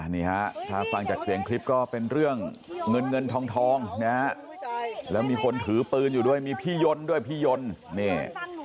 นี่ฮะถ้าฟังจากเสียงคลิปก็เป็นเรื่องเงินเงินทองนะฮะแล้วมีคนถือปืนอยู่ด้วยมีพี่ยนต์ด้วยพี่ยนต์นี่